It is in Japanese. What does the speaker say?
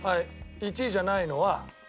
１位じゃないのは。